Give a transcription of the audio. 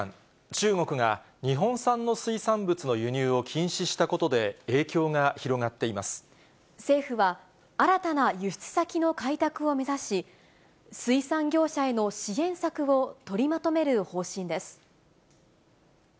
中国が日本産の水産物の輸入を禁止したことで、影響が広がってい政府は、新たな輸出先の開拓を目指し、水産業者への支援策を取りまとめる方針です。